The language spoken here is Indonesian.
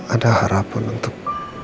ada harapan untuk